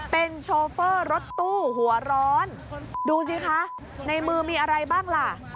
เป็นโชเฟอร์รถตู้หัวร้อนดูสิคะในมือมีอะไรบ้างล่ะ